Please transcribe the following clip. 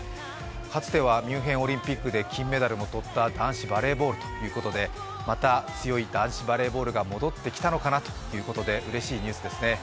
かつてはミュンヘンオリンピックで金メダルも取った、男子バレーボールということでまた強い男子バレーボールが戻ってきたのかなということでうれしいニュースですね。